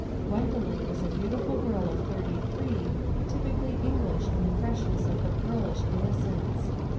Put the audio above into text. Gwendoline was a beautiful girl of thirty three, typically English in the freshness of her girlish innocence.